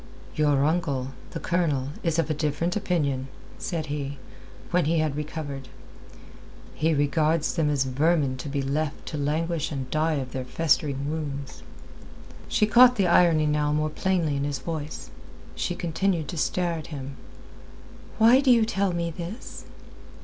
"Your uncle, the Colonel, is of a different opinion," said he, when he had recovered. "He regards them as vermin to be left to languish and die of their festering wounds." She caught the irony now more plainly in his voice. She continued to stare at him. "Why do you tell me this?"